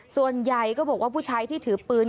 ส่วนใหญ่ก็บอกว่าผู้ชายที่ถือปืน